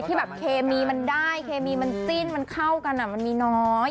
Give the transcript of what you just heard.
ที่แบบเคมีมันได้เคมีมันจิ้นมันเข้ากันมันมีน้อย